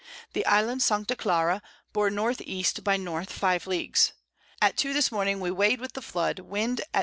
The Island Sancta Clara bore N. E. by N. 5 Leagues. At 2 this Morning we weighed with the Flood, Wind at S.